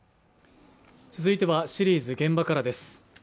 続いてはシリーズ「現場から」です